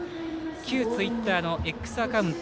旧ツイッターのＸアカウント